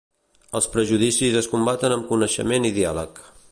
Els prejudicis es combaten amb coneixement i diàleg.